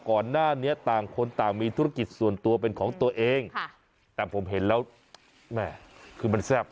ก่อนหน้านี้ต่างคนต่างมีธุรกิจส่วนตัวเป็นของตัวเองแต่ผมเห็นแล้วแม่คือมันแซ่บ